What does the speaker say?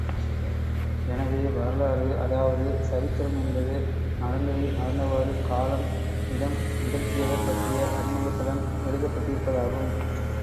எனவே, வரலாறு அதாவது சரித்திரம் என்பது, நடந்ததை நடந்தவாறு, காலம் இடம் நிகழ்த்தியவர் பற்றிய அறிமுகத்துடன் எழுதப்பட்டிருப்பதாகும்.